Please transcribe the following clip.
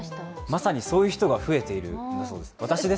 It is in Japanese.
まさにそういう人が増えているそうです。